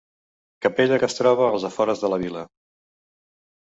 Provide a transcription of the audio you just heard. Capella que es troba als afores de la vila.